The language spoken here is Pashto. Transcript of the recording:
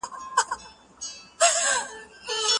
آیا تاسو پوهېږئ چې د شطرنج لوبه څومره فکري تمرکز غواړي؟